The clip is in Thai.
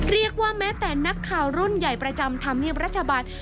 แม้แต่นักข่าวรุ่นใหญ่ประจำธรรมเนียบรัฐบาล